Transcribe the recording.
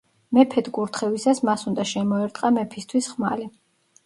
მეფედ კურთხევისას მას უნდა შემოერტყა მეფისთვის ხმალი.